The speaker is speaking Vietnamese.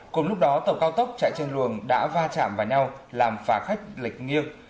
cùng lúc đó tàu cao tốc chạy trên luồng đã va chạm vào nhau làm phà khách lệch nghiêng